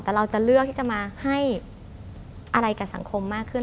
แต่เราจะเลือกที่จะมาให้อะไรกับสังคมมากขึ้น